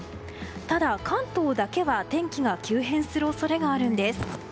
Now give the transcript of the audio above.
ただ、関東だけは天気が急変する恐れがあるんです。